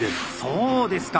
そうですか。